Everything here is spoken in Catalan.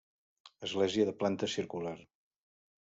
Església de planta circular.